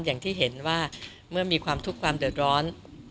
อย่างที่เห็นว่าเมื่อมีความทุกข์ความเดือดร้อน